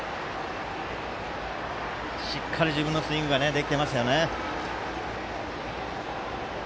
しっかり自分のスイングができてますよね。